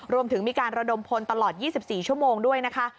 รวมถึงมีการระดมพลตลอด๒๔ชั่วโมงด้วยนะคะ